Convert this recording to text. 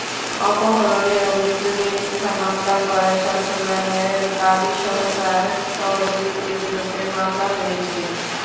অপহরণের অভিযোগে মিথ্যা মামলা করায় চট্টগ্রামে বাদীসহ তাঁর সহযোগীদের বিরুদ্ধে মামলা হয়েছে।